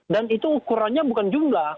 dan itu ukurannya bukan jumlah